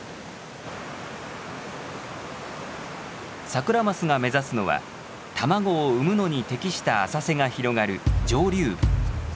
サクラマスが目指すのは卵を産むのに適した浅瀬が広がる上流部。